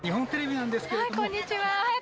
はい、こんにちは。